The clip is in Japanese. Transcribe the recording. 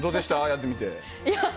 やってみて。